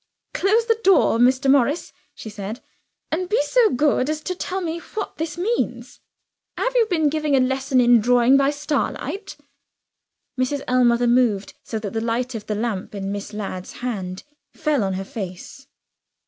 "Close the door, Mr. Morris," she said, "and be so good as to tell me what this means. Have you been giving a lesson in drawing by starlight?" Mrs. Ellmother moved, so that the light of the lamp in Miss Ladd's hand fell on her face.